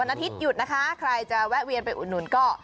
อาทิตยุดนะคะใครจะแวะเวียนไปอุดหนุนก็